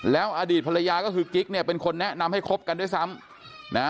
แล้วอดีตภรรยาก็คือกิ๊กเนี่ยเป็นคนแนะนำให้คบกันด้วยซ้ำนะ